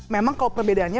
memang kalau perbedaannya